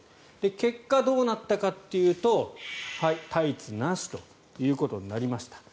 結果、どうなったかというとタイツなしということになりました。